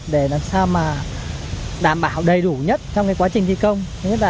để làm sao mà đảm bảo đầy đủ nhất trong quá trình thi công